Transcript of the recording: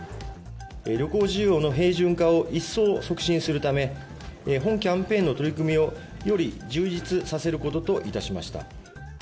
旅行需要の平準化を一層促進するため、本キャンペーンの取り組みをより充実させることといたしました。